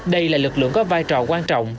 đây là lực lượng có vai trò quan trọng